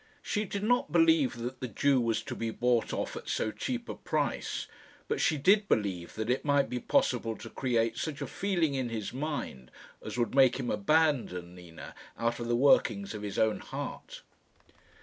She did not believe that the Jew was to be bought off at so cheap a price; but she did believe that it might be possible to create such a feeling in his mind as would make him abandon Nina out of the workings of his own heart.